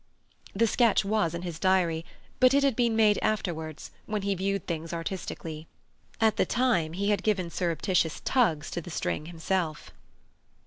The sketch was in his diary, but it had been made afterwards, when he viewed things artistically. At the time he had given surreptitious tugs to the string himself.